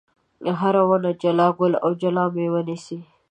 هره ونه جلا ګل او جلا مېوه نیسي.